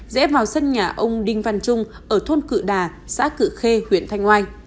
rẽ vào sân nhà ông đinh văn trung ở thôn cự đà xã cự khê huyện thanh oai